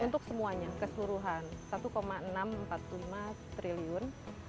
untuk semuanya keseluruhan satu enam ratus empat puluh lima triliun